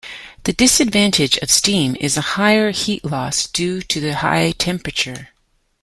The disadvantage of steam is a higher heat loss due to the high temperature.